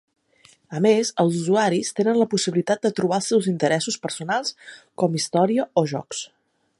A més, els usuaris tenen la possibilitat de trobar els seus interessos personals, com "Història" o "Jocs".